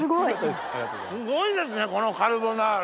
すごいですねこのカルボナーラ！